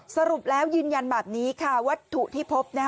สรุปแล้วยืนยันแบบนี้ค่ะวัตถุที่พบ